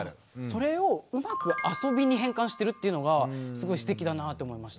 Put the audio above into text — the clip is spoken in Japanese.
それをうまくあそびに変換してるっていうのがすごいすてきだなって思いました。